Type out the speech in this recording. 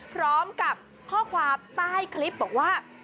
พร้อมกับข้อความใต้คลิปบอกว่า